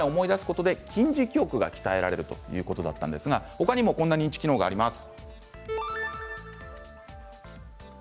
他にもこんな認知機能があります。